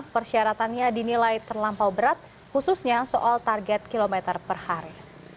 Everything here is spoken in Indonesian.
persyaratannya dinilai terlampau berat khususnya soal target kilometer per hari